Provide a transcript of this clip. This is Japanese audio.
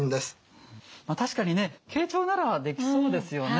確かにね傾聴ならできそうですよね。